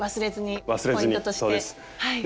忘れずにポイントとして。